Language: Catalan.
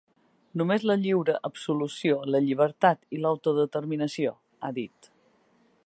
Només la lliure absolució, la llibertat i l’autodeterminació, ha dit.